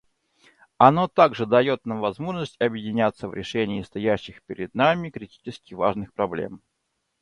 Оно также дает нам возможность объединиться в решении стоящих перед нами критически важных проблем.